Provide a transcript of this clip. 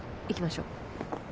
行きましょう。